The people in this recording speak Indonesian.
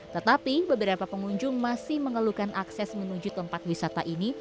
tetapi beberapa pengunjung masih mengeluhkan akses menuju tempat wisata ini